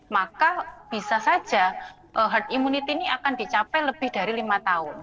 maka bisa saja herd immunity ini akan dicapai lebih dari lima tahun